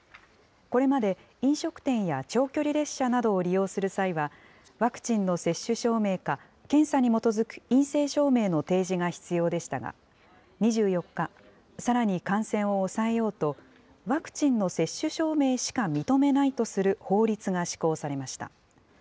これまで、飲食店や長距離列車などを利用する際は、ワクチンの接種証明か検査に基づく陰性証明の提示が必要でしたが、２４日、さらに感染を抑えようと、ワクチンの接種証明しか認めないとする法律が施行されました。